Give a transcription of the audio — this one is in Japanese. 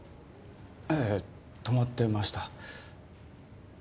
ええ停まってました。